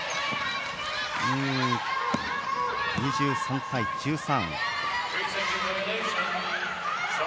２３対１３。